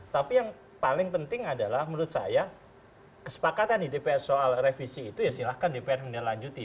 tapi yang paling penting adalah menurut saya kesepakatan di dpr soal revisi itu ya silahkan dpr menindaklanjuti